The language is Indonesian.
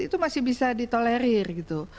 itu masih bisa ditolerir gitu